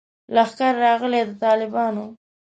لښکر راغلی د طالبانو